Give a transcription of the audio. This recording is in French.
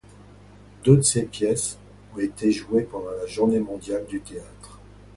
Deux de ses pièces ont été jouées pendant la Journée mondiale du théâtre.